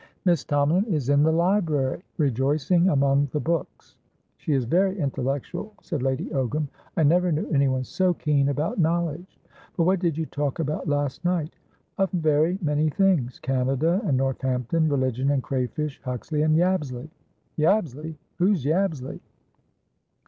"Miss Tomalin is in the library, rejoicing among the books." "She is very intellectual," said Lady Ogram. "I never knew anyone so keen about knowledge. But what did you talk about last night?" "Of very many things. Canada and Northampton, religion and crayfish, Huxley andYabsley." "Yabsley? Who's Yabsley?"